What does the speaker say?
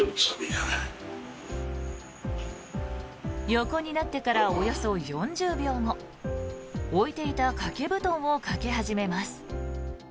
横になってからおよそ４０秒後置いていた掛け布団をかけ始めます。